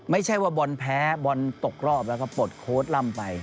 ไม่ใช่ว่าบอลแพ้บอลตกรอบแล้วก็ปลดโค้ดล่ำไป